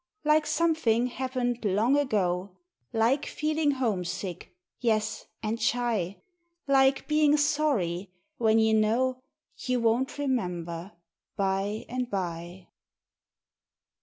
Like something happened long ago; Like feeling Homesick, yes, and Shy; Like being Sorry, when you know You won't remember, by and by.